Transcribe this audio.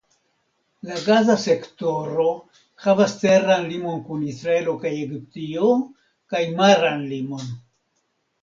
La Gaza Sektoro havas teran limon kun Israelo kaj Egiptio kaj maran limon.